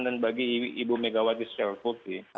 dan bagi ibu megawati secara fokus